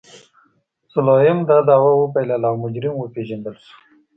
سلایم دا دعوه وبایلله او مجرم وپېژندل شو.